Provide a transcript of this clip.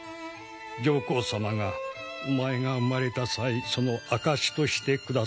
上皇様がお前が生まれた際その証しとして下されたのだ。